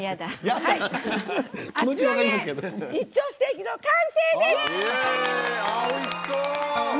「厚揚げ一丁ステーキ」の完成です！